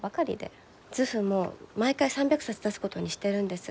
図譜も毎回３００冊出すことにしてるんです。